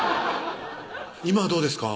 今はどうですか？